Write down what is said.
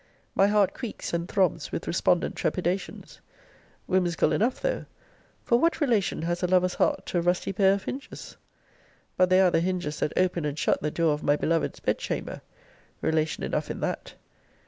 My heart creaks and throbs with respondent trepidations: Whimsical enough though! for what relation has a lover's heart to a rusty pair of hinges? But they are the hinges that open and shut the door of my beloved's bed chamber. Relation enough in that.